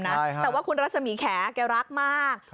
ลูกคุณต้นหอมนะแต่ว่าคุณรัฐสมีแขกรักมาก